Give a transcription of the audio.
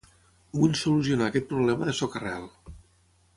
Vull solucionar aquest problema de soca-rel.